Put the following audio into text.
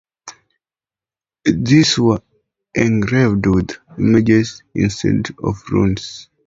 These were engraved with images instead of runes.